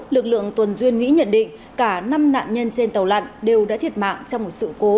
lực lượng tuần duyên mỹ nhận định cả năm nạn nhân trên tàu lặn đều đã thiệt mạng trong một sự cố